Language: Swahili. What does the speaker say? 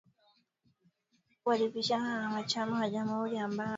Walipishana na wanachama cha jamhuri ambao kwa ujumla walimshinikiza Jackson